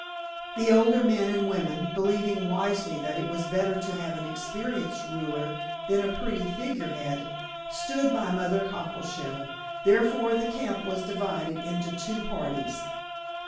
The older men and women, believing wisely that it was better to have an experienced ruler than a pretty figurehead, stood by Mother Cockleshell, therefore the camp was divided into two parties.